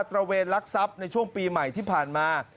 ระเวนลักทรัพย์ในช่วงปีใหม่ที่ผ่านมา